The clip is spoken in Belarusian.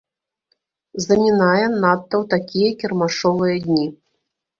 Замінае надта ў такія кірмашовыя дні.